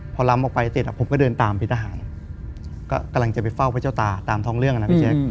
พอล้ำออกไปเสร็จผมก็เดินตามเป็นทหารก็กำลังจะไปเฝ้าพระเจ้าตาตามท้องเรื่องนะพี่แจ๊ค